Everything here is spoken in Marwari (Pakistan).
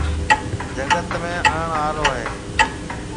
جگت ۾ آڻ آݪو هيَ۔